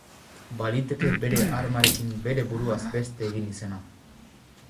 Baliteke bere armarekin bere buruaz beste egin izana.